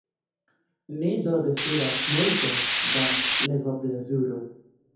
Ni do deziras multe da legoplezuro!